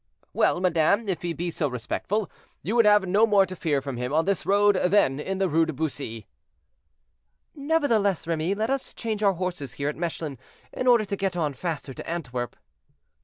"Well, madame, if he be so respectful, you would have no more to fear from him on this road than in the Rue de Bussy." "Nevertheless, Remy, let us change our horses here at Mechlin, in order to get on faster to Antwerp."